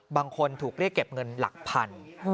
บางคนถูกเรียกเก็บเงินหลักพัน